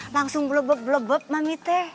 langsung blubub blubub mami teh